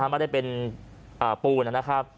ไม่ได้เป็นปูนนะครับ